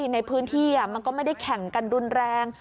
ในพื้นที่มันก็ไม่ได้แข่งกันรุนแรง